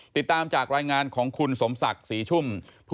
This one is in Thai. ติดตามจากรายงานของคุณสมศักดิ์ศรีชุ่ม